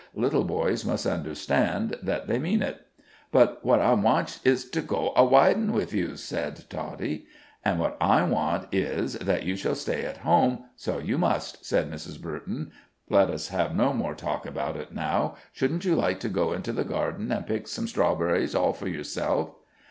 little boys must understand that they mean it." "But what I wantsh izh to go a widin' wif you," said Toddie. "And what I want is, that you shall stay at home; so you must," said Mrs. Burton. Let us have no more talk about it now. Shouldn't you like to go into the garden and pick some strawberries all for yourself?"